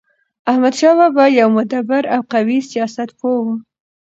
احمدشاه بابا يو مدبر او قوي سیاست پوه و.